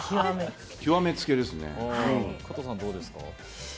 加藤さんはどうですか？